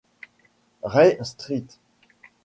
Ray St.